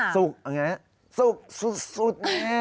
สุกอย่างนี้สุกสุดสุด